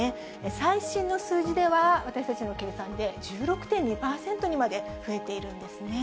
最新の数字では、私たちの計算で１６．２％にまで増えているんですね。